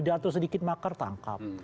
atau sedikit makar tangkap